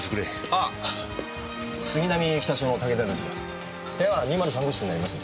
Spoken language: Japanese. あぁ杉並北署の武田です。